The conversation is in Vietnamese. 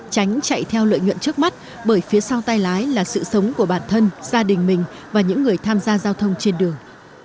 tránh chạy theo lợi nhuận trước mắt bởi phía sau tay lái là sự sống của bản thân gia đình mình và những người tham gia giao thông trên đường